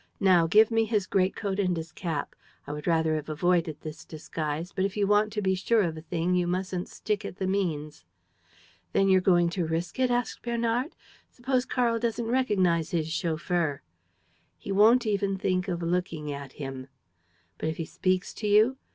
"Now give me his great coat and his cap. I would rather have avoided this disguise; but, if you want to be sure of a thing, you mustn't stick at the means." "Then you're going to risk it?" asked Bernard. "Suppose Karl doesn't recognize his chauffeur?" "He won't even think of looking at him." "But if he speaks to you?"